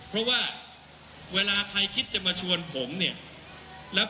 บอกอย่าไปเสียเวลาเลย